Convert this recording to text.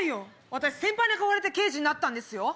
私先輩に憧れて刑事になったんです。